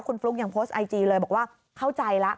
คุณฟลุ๊กยังโพสต์ไอจีเลยบอกว่าเข้าใจแล้ว